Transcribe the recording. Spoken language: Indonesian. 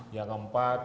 yang keempat pelatihan